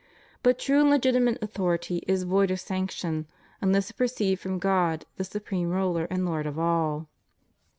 But true and legitimate authority is void of sanction, unless it proceed from God the supreme Ruler and Lord of all.